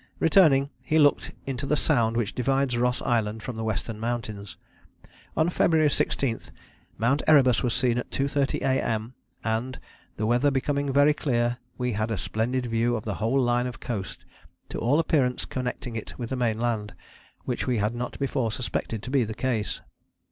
Returning, he looked into the Sound which divides Ross Island from the western mountains. On February 16 "Mount Erebus was seen at 2.30 A.M., and, the weather becoming very clear, we had a splendid view of the whole line of coast, to all appearance connecting it with the main land, which we had not before suspected to be the case."